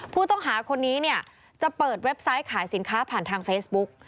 ผู้ต้องหาคนนี้เนี่ยจะเปิดเว็บไซต์ขายสินค้าผ่านทางเฟซบุ๊ก